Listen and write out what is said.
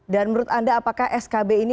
dan menurut anda apakah skb ini